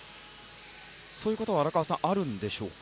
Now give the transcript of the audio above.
そういうことは荒川さんあるんでしょうか。